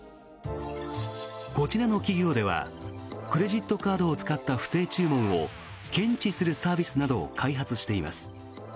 こちらの企業ではクレジットカードを使った不正注文を検知するサービスなどを開発しています。